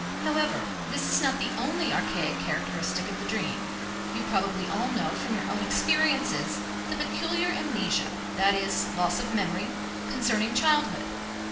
However, this is not the only archaic characteristic of the dream. You probably all know from your own experiences the peculiar amnesia, that is, loss of memory, concerning childhood.